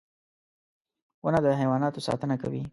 • ونه د حیواناتو ساتنه کوي.